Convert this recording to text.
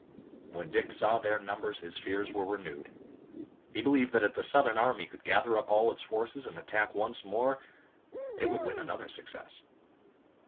When Dick saw their numbers his fears were renewed. He believed that if the Southern army could gather up all its forces and attack once more it would win another success.